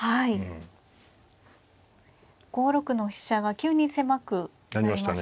５六の飛車が急に狭くなりましたね。